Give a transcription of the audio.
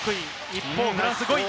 一方、フランス５位。